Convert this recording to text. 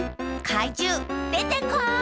かいじゅうでてこい！